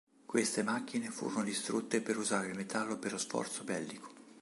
Queste macchine furono distrutte per usare il metallo per lo sforzo bellico.